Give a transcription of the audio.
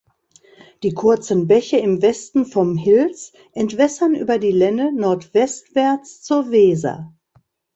Die kurzen Bäche im Westen vom Hils entwässern über die Lenne nordwestwärts zur Weser.